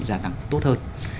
gia tăng tốt hơn